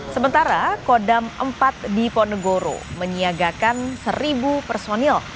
sementara kodam empat di ponegoro menyiagakan seribu personil